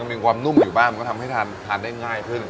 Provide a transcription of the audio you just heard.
มีความนุ่มอยู่บ้างมันก็ทำให้ทานได้ง่ายขึ้น